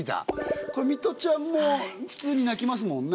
これミトちゃんも普通に泣きますもんね。